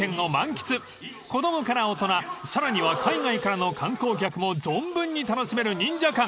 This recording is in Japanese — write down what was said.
［子供から大人さらには海外からの観光客も存分に楽しめるＮＩＮＪＡ館。